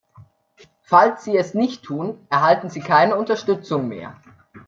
Falls sie es nicht tun, erhalten sie keine Unterstützung mehr.